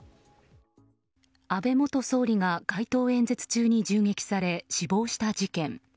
安倍元総理が街頭演説中に銃撃され、死亡した事件。